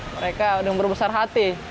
mereka sudah berbesar hati